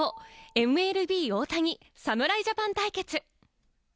ＭＬＢ、大谷、侍ジャパン対決。